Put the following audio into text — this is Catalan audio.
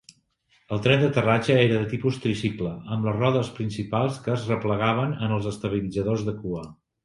El tren d'aterratge era de tipus tricicle, amb les rodes principals que es replegaven en els estabilitzadors de cua.